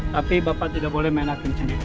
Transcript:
tapi bapak tidak boleh menakutkan sendiri